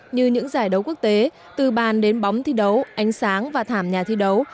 như những giải đấu quốc tế từ bàn đến bóng thi đấu ánh sáng và thảm nhà thi đấu